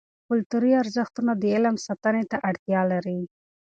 کلتوري ارزښتونه د علم ساتنې ته اړتیا لري.